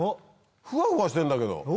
ふわふわしてんだけど。